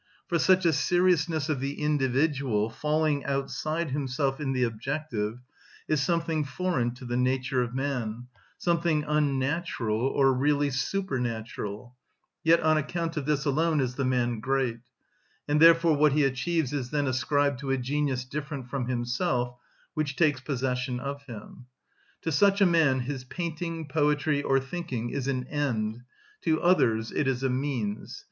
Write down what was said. For such a seriousness of the individual, falling outside himself in the objective, is something foreign to the nature of man, something unnatural, or really supernatural: yet on account of this alone is the man great; and therefore what he achieves is then ascribed to a genius different from himself, which takes possession of him. To such a man his painting, poetry, or thinking is an end; to others it is a means.